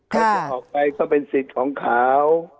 เขาจะออกไปเขาเป็นสิทธิ์ของเขา